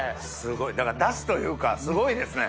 だから出汁というかすごいですね。